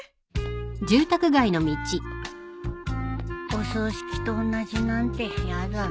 お葬式と同じなんてやだな。